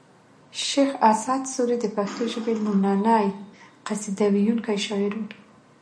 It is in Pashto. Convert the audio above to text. شیخ اسعد سوري د پښتو ژبې لومړنۍ قصیده ویونکی شاعر و